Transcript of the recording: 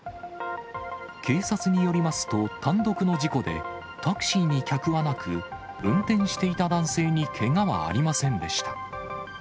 警察によりますと、単独の事故で、タクシーに客はなく、運転していた男性にけがはありませんでした。